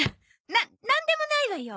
ななんでもないわよ。